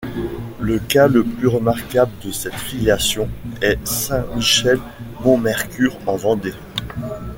Le cas le plus remarquable de cette filiation est Saint-Michel-Mont-Mercure en Vendée.